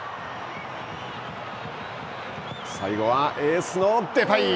最後は、エースのデパイ。